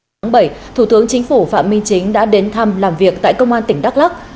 tháng bảy thủ tướng chính phủ phạm minh chính đã đến thăm làm việc tại công an tỉnh đắk lắc